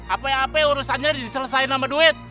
apa apa urusannya diselesaikan sama duit